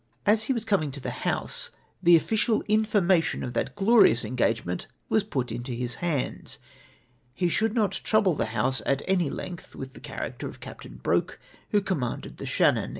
As lie was coming to the House the ojjicial information of that glorious engagement v: as put into his hands !! He should not trouble the House at any length with the character of Captain Broke, who commanded the Shannon.